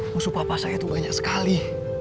musuh papa saya itu banyak sekali